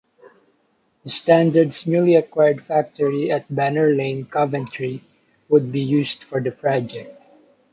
Standard's newly acquired factory at Banner Lane Coventry would be used for the project.